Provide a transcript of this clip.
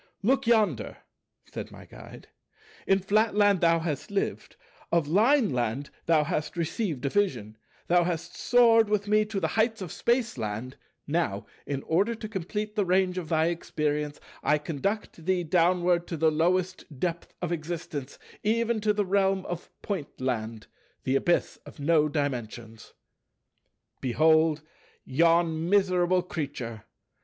"Look yonder," said my Guide, "in Flatland thou hast lived; of Lineland thou hast received a vision; thou hast soared with me to the heights of Spaceland; now, in order to complete the range of thy experience, I conduct thee downward to the lowest depth of existence, even to the realm of Pointland, the Abyss of No dimensions. "Behold yon miserable creature.